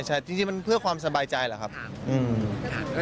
ใช่จริงมันเพื่อความสบายใจเหรอครับ